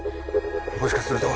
もしかすると。